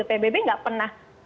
pbb tidak pernah